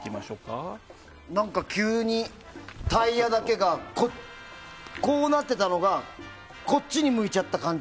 急にタイヤだけがこうなっていたのがこっちに向いちゃった感じ。